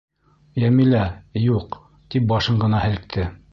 Йәмилә, юҡ, тип башын ғына һелкте.